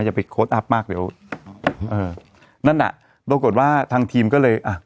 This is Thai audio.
อย่าไปโค้ดอัพมากเดี๋ยวเออนั่นน่ะปรากฏว่าทางทีมก็เลยอ่ะ